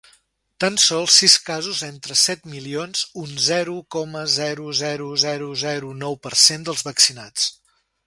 Tan sols sis casos entre set milions, un zero coma zero zero zero zero nou per cent dels vaccinats.